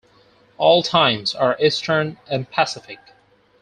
All times are Eastern and Pacific.